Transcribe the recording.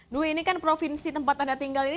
dwi ini kan provinsi tempat anda tinggal ini